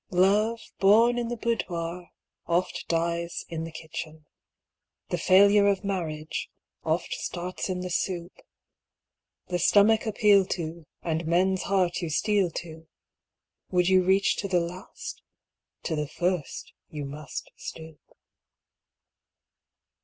Love born in the boudoir oft dies in the kitchen, The failure of marriage oft starts in the soup. The stomach appeal to, and men's heart you steal to Would you reach to the last? To the first you must stoop.